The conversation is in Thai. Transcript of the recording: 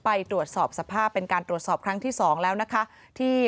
ไปตรวจสอบสภาพเป็นการตรวจสอบครั้งที่สองแล้วนะคะที่